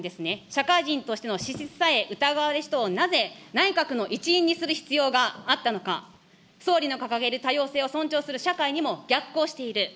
社会人としての資質さえ疑われる人をなぜ、内閣の一員にする必要があったのか、総理の掲げる多様性を尊重する社会にも逆行している。